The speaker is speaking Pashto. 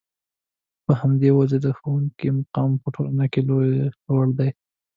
په همدې وجه د ښوونکي مقام په ټولنه کې لوړ دی.